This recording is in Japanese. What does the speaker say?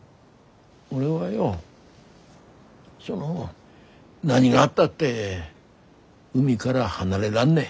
俺はよその何があったって海がら離れらんねえ。